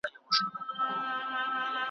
زمانې داسي مېړونه لږ لیدلي `